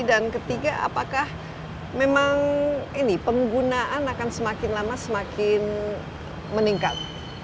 dan ketiga apakah memang ini penggunaan akan semakin lama semakin meningkat